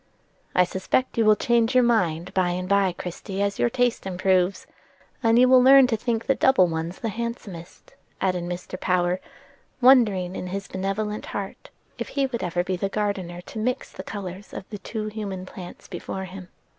"I suspect you will change your mind by and by, Christie, as your taste improves, and you will learn to think the double ones the handsomest," added Mr. Power, wondering in his benevolent heart if he would ever be the gardener to mix the colors of the two human plants before him.